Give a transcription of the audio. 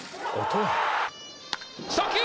初球！